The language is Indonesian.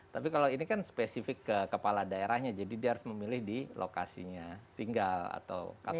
tapi kalau ini kan spesifik ke kepala daerahnya jadi dia harus memilih di lokasinya tinggal atau kapan